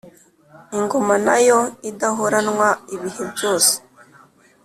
ingoma na yo idahoranwa ibihe byose